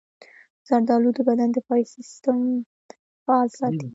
زردالو د بدن دفاعي سستم فعال ساتي.